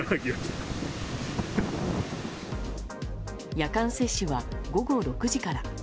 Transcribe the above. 夜間接種は午後６時から。